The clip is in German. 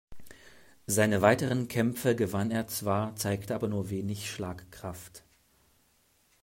Seine weiteren Kämpfe gewann er zwar, zeigte aber nur wenig Schlagkraft.